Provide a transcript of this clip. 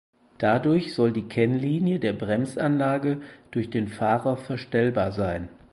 Dadurch soll die Kennlinie der Bremsanlage durch den Fahrer verstellbar sein.